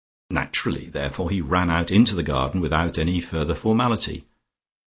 Naturally, therefore, he ran out into the garden without any further formality.